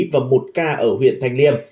và một ca ở huyện thanh liêm